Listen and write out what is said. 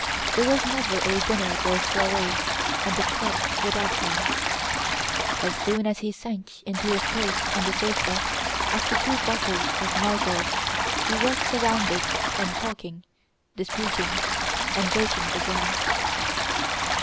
There was never a dinner or soiree at the club without him. As soon as he sank into his place on the sofa after two bottles of Margaux he was surrounded, and talking, disputing, and joking began.